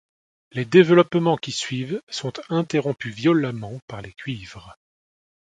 Les développements qui suivent, sont interrompus violemment par les cuivres.